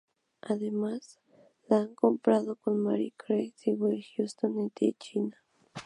Además la han comparado con Mariah Carey y Whitney Houston de China.